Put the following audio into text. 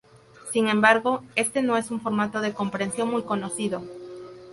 Sin embargo, este no es un formato de compresión muy conocido.